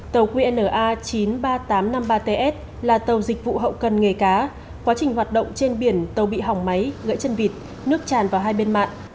tàu qna chín mươi ba nghìn tám trăm năm mươi ba ts là tàu dịch vụ hậu cần nghề cá quá trình hoạt động trên biển tàu bị hỏng máy gãy chân vịt nước tràn vào hai bên mạng